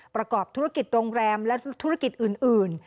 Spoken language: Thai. ประกอบธุรกิจโรงแรมและธุรกิจอื่น